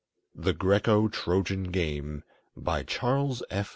THE GRECO TROJAN GAME BY CHARLES F.